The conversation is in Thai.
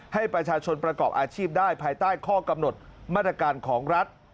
ให้ประชาชนประกอบอาชีพได้ภายใต้ข้อกำหนดมาตรการของรัฐ